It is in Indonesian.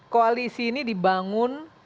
koalisi ini dibangun